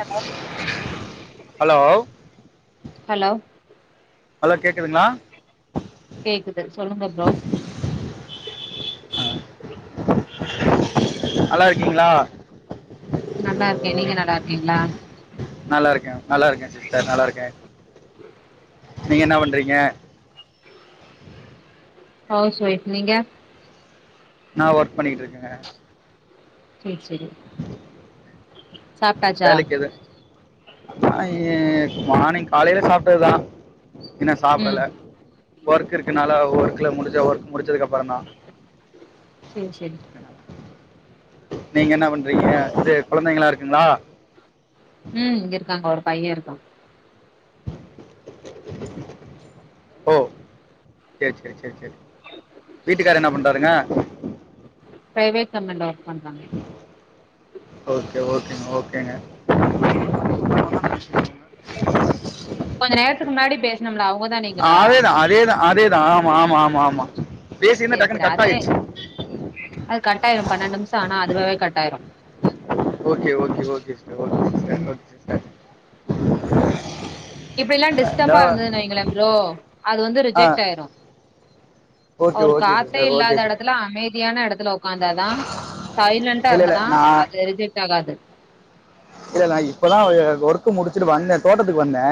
Hello hello hello hello கேக்குதுங்ளா கேக்குது சொல்லுங்க ப்ரோ நல்லாருக்கீங்களா நல்லாருக்கே நீங்க நல்லாருக்கீங்களா நல்லாருக்கே நல்லாருக்கே சிஸ்டர் நல்லாருக்கே நீங்க என்ன பண்றீங்க ஹவுஸ் ஒய்ஃப் நீங்க நா ஒர்க் பண்ணிட்டுருக்கேங்க சேர் சேரி சாப்ட்டாச்சா வேலைக்கேது நா இ மார்னிங் காலையில சாப்ட்டதுதா இன்னு ம் சாப்ட்டல்ல ஒர்க்கு இருக்கனால ஒர்க்குல முடிச்ச ஒர்க் முடிச்சதுக்கு அப்பறோ தா சேர் சேரி நீங்க என்ன பண்றீங்க இது கொழந்தைங்களா இருக்குங்களா ம் இருக்காங்க ஒரு பையன்ருக்கா ஓ செரி செரி செரி செரி வீட்டுக்காரு என்ன பண்றாருங்க பிரைவேட் கம்பென்ல ஒர்க் பண்றாங்க ஓகே ஓகேங்க ஓகேங்க ம் கொஞ்ச நேரத்துக்கு முன்னாடி பேசணும்லா அவங்க தான் நீங்களா அதே த அதே ஆமா ஆமா ஆமா ஆமா பேசியிருந்தா செரி செரி டக்குன்னு கட் அதே ஆயிடுச்சு அது கட்டாயரூம் பன்னெண்டு நிமிஷம் ஆனா அதுவவே கட் ஆயிரும் okay okay okay sister okay sister ம் ஓகே சிஸ்டர் இப்டி எல்லா டிஸ்டப்பா இருந்தது வைங்கள ப்ரோ அது வந்து ஆ ரிஜெக்ட் ஆயிரும் ஓகே அவரு ஓகே காத்தே சிஸ்டர் ஓகே இல்லாத சிஸ்டர் எடத்துல அமைதியான எடத்துல உக்காந்தாதா சைலன்டா இல்லை இல்லை இருந்தன்னா அது ரிஜெக்ட்டாகாது இல்லல்ல நா இப்பதா அ ஒர்க் முடிச்சுட்டு வந்தே தோட்டத்துக்கு வந்தே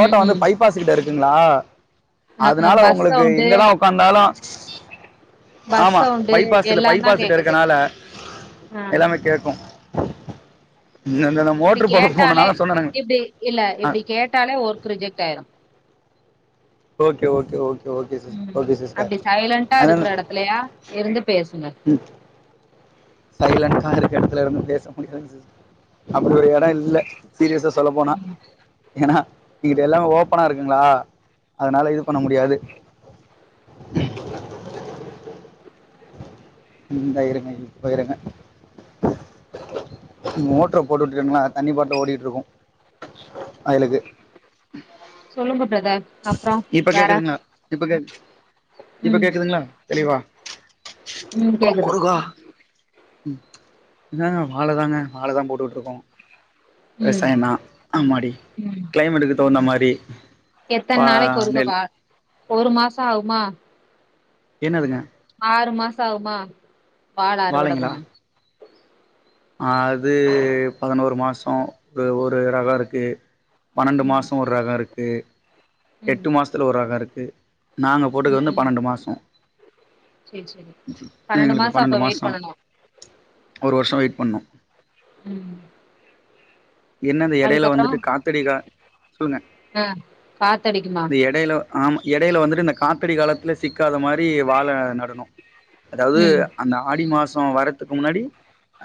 ம் வந்து ம் பைப்பாஸ் திட்ட இருக்குங்களா அ அ அதனால பஸ் உங்களுக்கு சவுண்டு எங்கதா உகாந்தாலு பஸ் ஆமா சவுண்டு பைபாஸ்ல எல்லாந்தா பைபாஸ் கிட்ட கேக்குது இருக்கனால ஆ எல்லாமே கேட்கும் நந்தனம் இப்டி கேட்டாலே இப்டி இல்ல ஆ இப்டி கேட்டாலே ஒர்க் ரிஜெக்ட் ஆயிரும் ஓகே ஓகே ஓகே ஓகே ம் சிஸ்டர் ஓகே சிஸ்டர் அப்டி சைலண்டா இருக்கிற எடத்துலயா இருந்து பேசுங்க ம் சைலன்க்கா இருக்கு இடத்துல இருந்து பேச முடியா அப்டி ஒரு எடம் இல்ல சீரியஸா சொல்ல போனா ஏனா இங்கிட்ட எல்லாமே ஓபனா இருக்குங்களா அதனால இது பண்ண முடியாது ம் இந்த இருங்க இப்ப இருங்க மோட்டர போட்டு விட்டெங்களா தண்ணி பாட்டு ஓடிட்டு இர்க்கு வயலுக்கு சொல்லுங்க பிரதர் அப்றோ இப்ப வேற கேக்குதுங்களா இப்ப கே இப்ப ம் கேக்குதுங்களா தெளிவா ம் அப்ப கேக்குது முருகா என்னங்க வாழ தாங்க வாழ தான் போட்டுட்டு இருக்கோம் ம் விவசாய னா அம்மாடி ம் கிளைமேட்டுக்கு தகுந்த மாரி வா எத்தன் நாளைக்கு ஒருக்க நெல் வா ஒரு மாசம் ஆவுமா என்னதுங்க ஆறு மாசம் ஆவுமா வாழ அறுவட வாழைங்களா பண்ண அது பதினோரு மாசம் ஒரு ஒரு ரகம் இருக்கு பன்னெண்டு ம் மாசொ ஒரு ரகொ இருக்கு ம் எட்டு மாசத்துல ஒரு ரகொ இருக்கு நாங்க போட்டது வந்து பன்னண்டு மாசொ செரி செரி பன்னண்டு மாசொ அப்ப வெயிட் மாசோ பண்ணனு ஒரு வருஷோ வெயிட் பண்ணோ ம் என்ன இந்த எடையில அதுக்கப்றோ வந்துட்டு காத்தடிக்க சொல்லுங்க ஆ காத்தடிக்குமா இந்த எடைல்ல ஆமா எடையில வந்துட்டு இந்த காத்தடி காலத்துல சிக்காத மாதரி வாழ நடணும் அதாவது ம் அந்த ஆடி மாசொ வர்றத்துக்கு முன்னாடி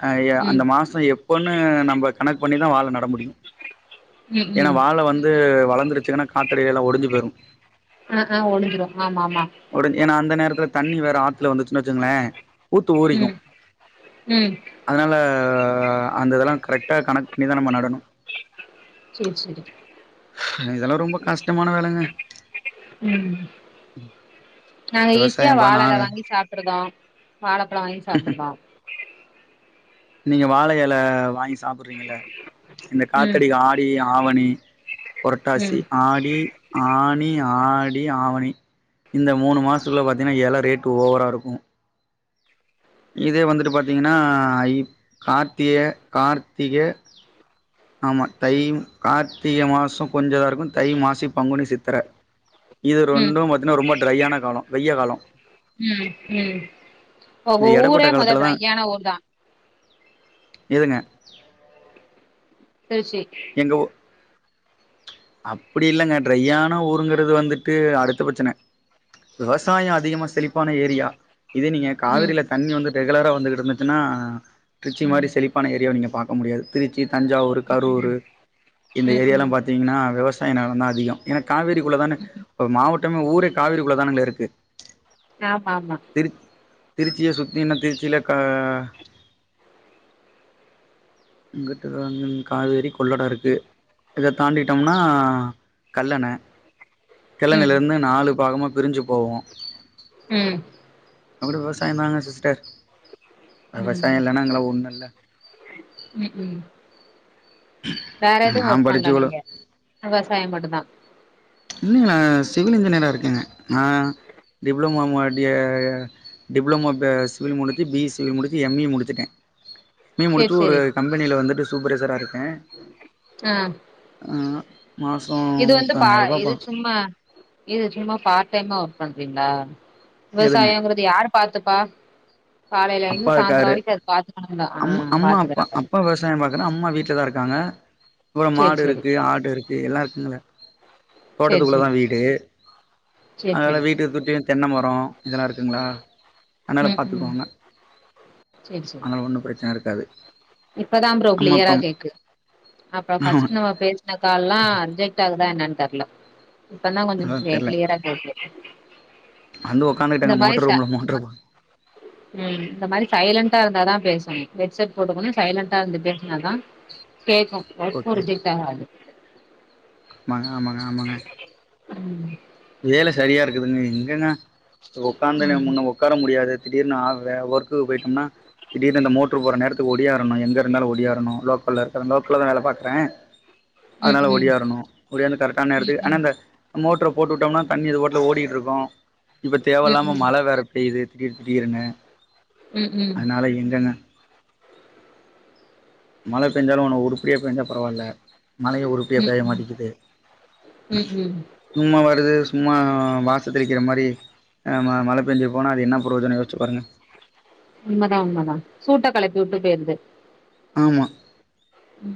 ஆ ம் அந்த மாசொ எப்பன்னு நம்ப கணக் பண்ணி தான் வாழ நட முடியும் ம் ஏனா ம் வாழ வந்து வளர்ந்துருச்சுன்னா காத்தடி எல்லாம் ஒடு ஆ ஆ ஒடிஞ்சுரு ஆமா ஆமா ஒடு ஏனா அந்த நேரத்துல தண்ணி வேற ஆ த்துல வந்துச்சுன்னு வெச்சுங்களே ஊத்து ஊரிக்கு ம் ம் அதனால அந்த இதெல்லா கரெக்ட்டா கணக் பண்ணிதா நம்ம நடணு சேரி சேரி இதெல்லா ரொம்ப கஷ்டமான வேலங்க ம் நாங்க ஈஸியா விவசாயம்பா வாழ் நா எல வாங்கி சாப் ப்புடுதா வாழப்பழ வாய்ன் சாப்புடுதோ நீங்க வாழ எல வாங்கி சாப்புறீங்க இல இந்த ம் காத்தடி ஆடி ஆவணி ம் பொரட்டாசி ஆடி ஆணி ஆடி ஆவணி இந்த மூணு மாஸ்த்துல பாத்தீஙக்ன்னா இல ரேட் ஓவரா இருக்கும் இதே வந்துட்டு பாத்தீங்கன்னா ஐ கார்த்திய கார்த்திக ஆமா தைம் கார்த்திக மாசொ கொஞ்சதா இருக்கு தை மாசி பங்குனி சித்தர இது ம் ரொண்டு பாத்தீன்னா ரொம்ப ட்ரையான காலோ வெய்ய காலோ ம் ம் இந்த ஒவ்வோ ஊரே எடப்பட்ட மொத காலத்துல தா ட்ரையான ஊர் தா எதுங்க திருச்சி எங்க ஊ அப்டி இல்லங்க ட்ரையான ஊருங்கறது வந்துட்டு அடுத்த பெரச்சன விவசாயம் அதிகமா செழிப்பான ஏரியா இத நீங்க ம் காவிரில தண்ணி வந்து ரெகுலரா வந்துக்குட்ருந்துச்சுன்னா ட்ரிச்சி ம் மாரி செளிப் பன ஏரியாவ நீங்க பாக்க முடியாது திருச்சி தஞ்சாவூரு கரூரு ம் இந்த ம் ஏரியாலா ம் பாத்தீங்ன்னா வெவசாய நெலந்தா அதிகொ ஏனா காவேரிக்குள்ள தான ம் போ மாவோட் ட்டமே ஊரே காவிரி குள்ளதானுங்ல இருக்கு ஆ பாமா திருக் திருச்சிய சுத்தி ன திருச்சில கா உங்கிட்டதா எங் காவேரி கொள்ளடா இருக்கு இத தாண்டிட்டம்னா கல்லண ம் கல்லணல்ல ருந்நு நாலு பாகமா பிரிஞ்சி போவு ம் நம்மளு விவசாயம் தானா சிஸ்டர் வெவசாய் ம் இல்லன்னா நாங்கல்லா ஒன்னுல்ல ம் உ வேற எது நான் ஒர்க் படிச்சு பண்ல இவ்ளோ நீங்க விவசாயு மட்டு தா இல்லி நா சிவில் இன்ஜினியரா இருக்கேங்க நா டிப்ளோமோ மோட்டியே டிப்ளமோ ப சிவில் முடிச்சி பி சிவில் முடிச்சி யம் இ முடிச்சிட்டே மே முடிச்சு சேரி ஒரு சேரி கம்பெனில வந்துட்டு சூப்பரைசரா இருக்கே ஆ ஆ மாசோ இது வந்து பா முப்பநாய் ருபா இது சும்மா இது சும்மா பார்ட் டைமா வர்க் பண்றீங்ளா எதுங்க விவசாயங்றத் யாரு பாத்துப்பா காலைல இருந்து அப்பா சாந்தர இருக்காரு வரிக்கு அது பாத்துக்கணும்முல்ல ஆ பாத்துக்கறாங்க சாயம் பாக்கற அம்மா வீட்லதா இருக்காங்க வோ சேரி மாடு சேரி இருக்கு ஆட்டிரு தி எல்லா இருக்குங்ள சேரி தோட்டத்துக்குள்ளதா சேரி வீடு சேரி அதனால சேரி வீட்டு சுட்டியின் தென்னமரோ இதெல்லா இருக்குங்ளா ம் ம் ச்செரி ச்செ அங்கன ஒன்னு ப்ரச்சன இருக்காது இப்பதா ப்ரோ அம்மா க்ளியரா அப்பா கேக்கு அப்ப ஆமா ஃபஸ்ட்டு நம்ம பேஸ் இந்ந கால்லா அர்ஜென்ட் ஆகுதா என்னன் தெர்ல இப்பனா கொஞ்சு அதா க்லே க்ளியரா கேக்கு அந்து உக்காந்துட்டாங்க மோட்ரூமு மோட்ரூபோ உம் இந்த மாரி சைலண்டா இருந்தாதா பேசணு ஹெட்செட் போட்டுக்கணு சைலண்ட்டாருந்து பேஸ்னாதா பேக்கு ஒர்க்கு ஓகே ரிஜெக்ட் ஆகாது மா ஆமாங்க ஆமாங்க ம் வேல சரியாருக்குதுங்க எங்கங்க ஒக்காந்து ம் முன்ன உக்கார முடியாது திடீர்னு ஆ வே ஒர்க்குக்கு போயிட்டோம்னா திடீர்னு அந்த மோட்ரு போட்ற நேரத்துக்கு ஒடியாரணு எங்க இருந்தாலு ஒடியாரணு லோக்கல்ல இருக்கற லோக்கல்லதா வேல பாக்றே ம், ம், அதனால ம், ஒடியாரணு ஒடியாந்து கரெக்ட்டான நேரத்துக்கு ஆனா இந்த மோட்ரு போட்டுவுட்டோம்னா தண்ணி அது பாட்ல ஓடிட்டுருக்கு இப்போ ம், ம், தேவல்லாம ம், மழ வேற பெய்து திடீர் திடீர்னு ம், அதனால எங்கங்க மழ பெஞ்சாலு ஒன்னு உருப்படியா பெஞ்சா பரவால்ல மழய ஒரு ப்டியா ம், பேயமாட்டிங்குது ம், ம். சும்மா வருது சும்மா வாசல் தெளிக்கிற மாரி ஆ மா மழப்பேஞ்சி போனா அது என்னா பிரயோஜனோ யோஷ்ச்சி பாருங்க உண்மதா உண்மதா சூட்ட கெளப்பிவுட்டு போய்ருது ஆமா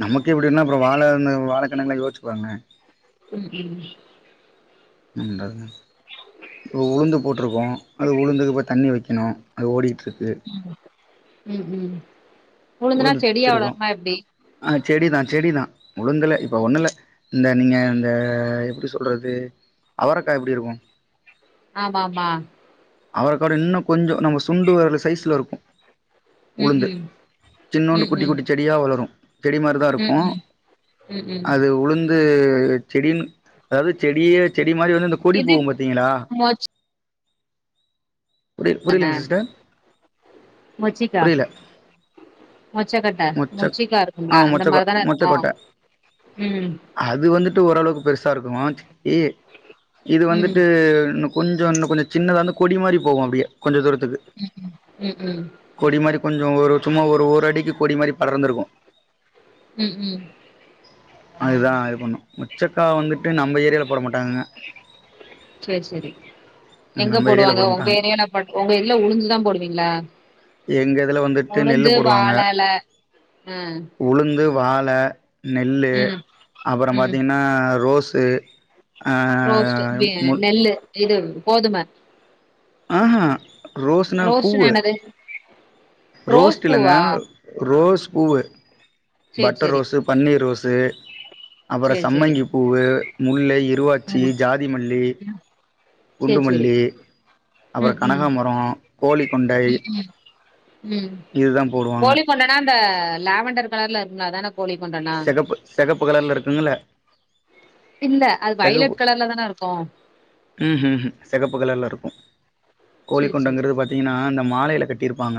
நமக்கு அப்டின்னா அப்றோ வாழனு வாழக்கண்னுங்கெலா யோஷ்ச்சி பாருங்ளே ம் ம் உண்டாங்க இப்போ உளுந்து போட்ருக்கோ அது உளுந்துக்கு இப்ப தண்ணி வக்கணு அது ஓடிட்ருக்கு ம் ம் ம் உழுந்துனா உளுந்து செடியா திர்ச்சிருகு வளருமா எப்டி? ஆ செடிதா செடிதா உளுந்துல இப்ப ஒண்ணுல்ல இந்த நீங்க இந்த எப்டி சொல்றது அவரக்கா எப்டிருக்கு ஆமாமா அவரக்காவிட இன்னு கொஞ்சோ நம்ம சுண்டு விரலு சைஸ்லருக்கு ம், உளுந்து ம், சின்னூண்டு ம், குட்டி ம், குட்டி செடியா வளரு செடி ம், மாரிதாருக்கு ம், ம், ம். அது ஒன்னு து செடின் அதாது செடியே செடி மாரி வந்து இந்த கொடி இது போகும் பாத்தீங்ளா மொச்ச புரி புரிலங்க தான? சிஸ்டர் மொச்சிக்கா, புரில மொச்சக்கட்ட, மொச்சக் மொச்சிக்கா இருக்கும்ல, ஆ அந்த மொச்சக் கொ மாரி தான இருக்கும். மொச்சக்கொட்ட ம் அது வந்துட்டு ஓரளவுக்கு பெருசா இருக்கு ஏ இது ம், வந்துட்டு இன்னு கொஞ்சோ இன்னு கொஞ்சோ சின்னதா வந்து கொடி மாரி போகு அப்டியே கொஞ்சோ தூரத்துக்கு ம், ம், ம், கொடி மாரி கொஞ்சோ ஒரு சும்மா ஒரு ஒரு அடிக்கு கொடி மாரி படர்ந்துருக்கு ம் ம் அதுதா இது பண்ணு மொச்சக்கா வந்துட்டு நம்ப ஏரியால போட மாட்டாங்கங்க செர் செரி எங்க நம்ம ஏரியால போடுவாங்க போட உங்க மாட்டாங்க ஏரியால பட் உங்க இதுல உளுந்துதா போடுவீங்ளா எங்க இதுல வந்துட்டு நெல்லு உளுந்து போடுவாங்க வாழேல ஆ உளுந்து வாழ நெல்லு ம் அப்புறம் ம் பாத்தீங்கன்னா ரோஸ்சு ஆ ரோஸ்ட் பி மு நெல்லு இது கோதும ஆஹா ரோஸ்னா ரோஸ்ட்னா பூவு என்னது ரோஸ் ரோஸ்ட் இல்லங்க பூவா ரோஸ் பூவு சேரி பட்டர் சேரி ரோஸு பன்னீர் ரோஸு அப்புற சேரி சேரி சம்மங்கி பூவு முல்லை இருவாச்சி ம் ஜாதிமல்லி ம் சேரி சேரி குண்டுமல்லி அப்புறோ ம் ம் கனகாமரோ கோழிக்கொண்டை ம் ம் ம் கோழி கொண்டனா அந்த லாவண்டர் கலர்ல இருக்மே அதான கோழி கொண்டனா செகப்பு செகப்பு கலர்ல இருக்குங்ள இல்ல அது வைலட் கலர்ல தானே இருக்கு ம் ஹும் ஹும் செகப்பு கலர்லருக்கு கோழி சேரி சேரி கொண்டங்கறது பா த்தீங்கன்னா இந்த மாலைல கட்டிருப்பாங்க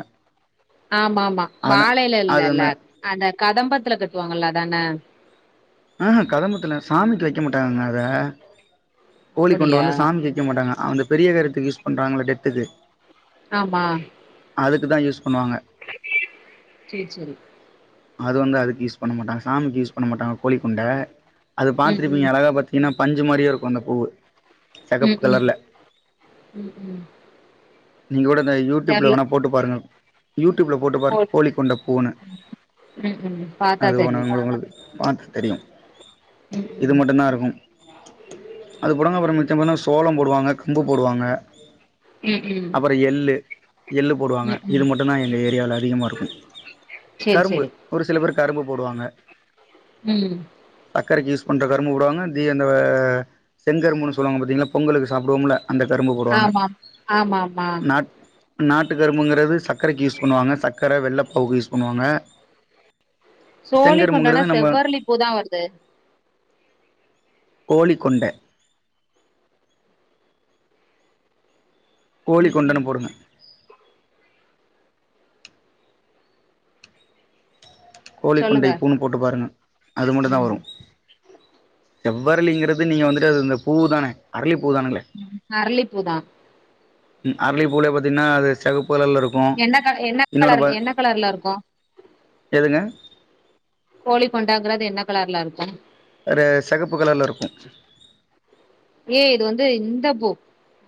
ஆமாமா மாலைல அது அந்த இல்லல்ல அந்த கதம்பத்துல கட்டுவாங்கள்ல அதான ஆ ஹா கதம்பத்துல சாமிக்கு வெக்க மாட்டாங்கங்க அத கோழி கொண்ட அப்படியா வந்து சாமிக்கு வெ க்கமாட்டாங்க அந்த பெரிய காரியத்துக்கு யூஸ் பண்றாங்கள டெத்துக்கு ஆமா அதுக்கு தா யூஸ் பண்ணுவாங்க சேர் சேரி அது வந்து அதுக்கு யூஸ் பண்ண மாட்டாங்க சாமிக்கு யூஸ் பண்ண மாட்டாங்க கோழிக்கொண்ட அது ம் பாத்துருப்பீங்க ம் அழகா பாத்தீங்னா பஞ்சு மாரியே இருக்கு அந்த பூவு ம் செகப்பு ம் கலர்ல ம் ம் நீங்கூட இந்த யூடியூப்ல தெர்ல வேணா போட்டு பாருங்க யூடியூப்ல போட்டு கோ பாருங்க கோழி கொண்ட பூனு ம் ம் பாத்தா அது ஒன்ன தெரியு உங்ளு உங்ளுக்கு பாத்தா தெரியு ம் இது ம் மட்டுந்தாருக்கு அது புடுங்கப்றோ மிச்சோ போனா சோளோ போடுவாங்க கம்பு போடுவாங்க ம் ம் அப்றோ எள்ளு எள்ளு போடுவாங்க ம் இது ம் மட்டுந்தா எங்க ஏரியால அதிகமாருக்கு சேரி கரும்பு சேரி ஒரு சில பேர் கரும்பு போடுவாங்க ம் சக்கரைக்கி யூஸ் பண்ற கரும்பு போடுவாங்க தி அந்தவ செங்கரும்புனு சொல்வாங்க பாத்தீங்ளா பொங்கல்க்கு சாப்டுவோம்ல அந்த கரும்பு போடுவாங்க ஆமாம் ஆமாம் நாட் நாட்டு கரும்புங்கறது சக்கரைக்கு யூஸ் பண்ணுவாங்க சக்கர வெள்ளப்பாகு யூஸ் பண்ணுவாங்க சோழி கொண்டனா செங்கரும்புங்கிறது நம்ம செவ்வர்லி பூதா வருது கோழிக்கொண்ட ம் கோழிக்கொண்டனு ம் போடுங்க கோழிக்கொண்டை சொல்லுங்க பூனு போட்டு பாருங்க அது மட்டு தா ம் வரு செவ்வர்ளிங்கறது நீங்க வந்துட்டு அது இந்த பூ தானே அரளி பூ தானுங்ளே அர்ளிப்பூ தா ம் அர்ளிப்பூலே பாத்தீங்கன்னா அது செகப்பு கலர்லரு என்ன க என்ன கலர் என்ன கலர்லருக்கு எதுங்க கோழி கொண்டங்கறது என்ன கலர்லருக்கு அது செகப்பு கலர்லருக்கு ஏ இது வந்து இந்த பூ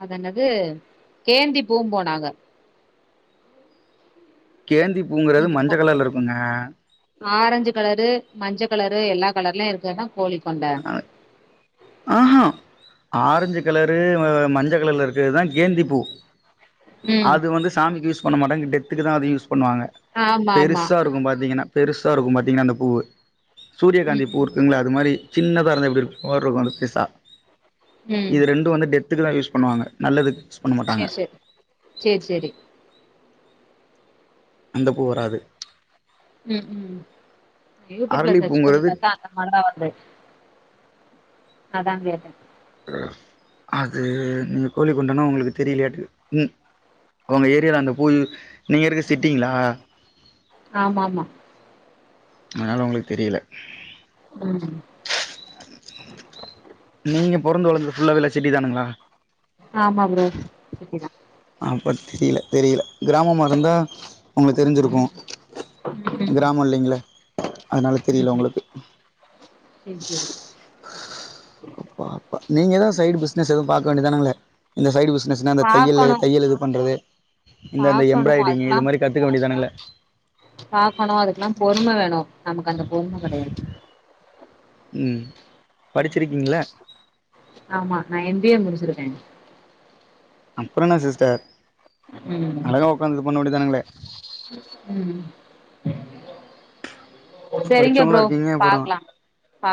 அது என்னது கேந்தி பூபோம் நாங்க கேந்தி பூங்கறது மஞ்ச கலர்லருக்குங்க ஆரெஞ்சு கலரு மஞ்ச கலரு எல்லா கலர்லயு இருக்கனா கோழிக்கொண்ட ஆஹா ஆரஞ்சு கலரு மஞ்ச கலர்லருக்றது தா கேந்திப்பூ ம் அது வந்து சாமிக்கு யூஸ் பண்ண மாட்டாங்க டெத்துக்கு தா அது யூஸ் பண்ணுவாங்க ஆமா ஆமா பெருசாருக்கு பாத்தீங்கன்னா பெருசாருக்கு பாத்தீங்கன்னா அந்த பூவு சூரியகாந்தி ம் பூ ம் இருக்குங்ள அ து மாரி சின்னதாருந்தா எப்டி இரு [inaudible] வந்து பெர்சா ம் இது ரெண்டு வந்து டெ த்துக்கு தா யூஸ் பண்ணுவாங்க நல்லதுக்கு யூஸ் பண்ணமாட்டாங்க சேர் செரி அந்த பூ வராது ம் ம் யூடியூப்ல அரளி சர்ச் பண்ணி பூங்கிறது பாத்தா அந்த மாடலா வருது அதா கேட்டே அது நீங்க கோழி கொண்டனா உங்களுக்கு தெரியலையாட்டது ம் உங்க ஏரியில அந்த பூ நீங்க இருக்கு சிட்டிங்களா ஆமா ஆமா அதனால உங்களுக்கு தெரியல ம் நீங்க பொறந்து வளந்தது ஃபுல்லாவில சிட்டி தானுங்களா ஆமா ப்ரோ சிட்டிதா அப்ப திரியல தெரியல கிராமமா இருந்தா உங்கள ம் தெரிஞ்சிருக்கு ம். கிராமோ இல்லிங்களே அதனால தெரியல உங்களுக்கு தே செரி அப்பா அப்பா நீங்க எதா சைடு பினஸ் எதுவு பாக்க வேண்டியதானங்களே இந்த சைடு பிஸ் பிஸ்னஸ்னா அந்த தையலு பாக்கணு தையல் இது பண்றது இந்தந்த பாக்கணு எம்பிராய்டிங்கு அதுக்கெல்லா இது மாரி கத்துக்க வேண்டியதானல்ல பாக்கணு அதுக்கில்லா பொறும வேணு நமக்கு அந்த பொறும கெடையாது ம் படிச்சிருக்கீங்களா ஆமா நா எம்பிஏ முடிச்சிருக்கே அப்புறோ இன்னா சிஸ்டர் ம் அழகா உக்காந்து இது பண்ண வேண்டிதானங்களே ம் சரிங்க படிச்சவங்களா ப்ரோ இருக்கீங்க அப்புறோ பாக்கலா